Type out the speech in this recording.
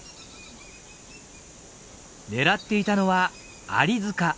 狙っていたのはアリ塚。